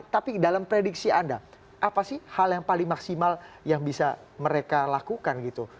tapi dalam prediksi anda apa sih hal yang paling maksimal yang bisa mereka lakukan gitu